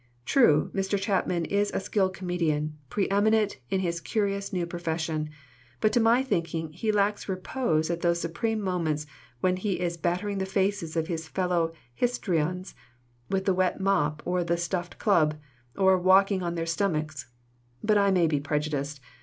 True, Mr. Chaplin is a skilled comedian, pre eminent in his curious new profession, but to my thinking he lacks repose at those supreme mo ments when he is battering the faces of his fellow histrions with the wet mop or the stuffed club, or walking on their stomachs; but I may be prejudiced.